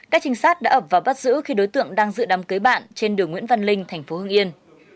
các trình xác đã ập và bắt giữ khi đối tượng đang dự đám cưới bạn trên đường nguyễn văn linh tp hưng yên